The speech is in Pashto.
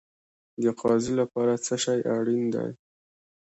د قاضي لپاره څه شی اړین دی؟